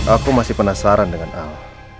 aku masih penasaran dengan al